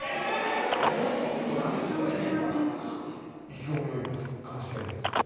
意気込みを一発かましてやれよ。